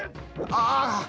ああ！